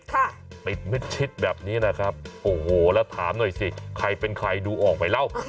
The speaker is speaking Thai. ติดมิดชิดแบบนี้นะครับโอ้โหแล้วถามหน่อยสิใครเป็นใครดูออกไหมเล่า